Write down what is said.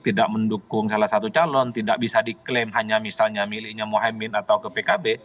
tidak mendukung salah satu calon tidak bisa diklaim hanya misalnya miliknya mohaimin atau ke pkb